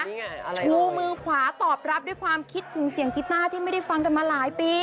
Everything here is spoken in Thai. อะไรชูมือขวาตอบรับด้วยความคิดถึงเสียงกิต้าที่ไม่ได้ฟังกันมาหลายปี